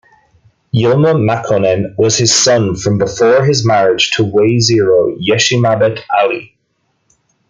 Yilma Makonnen was his son from before his marriage to "Wayzero" Yeshimabet Ali.